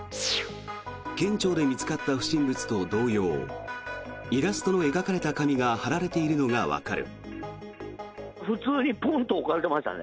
県庁で見つかった不審物と同様イラストの描かれた紙が貼られているのがわかる。